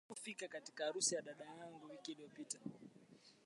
Sikufika kwa harusi ya dadangu wiki iliyopita